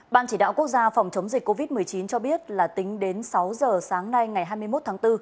ban chỉ đạo quốc gia phòng chống dịch covid một mươi chín cho biết là tính đến sáu giờ sáng nay ngày hai mươi một tháng bốn